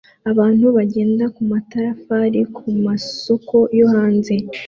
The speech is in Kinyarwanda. Abantu bagenda kumatafari kumasoko yo hanze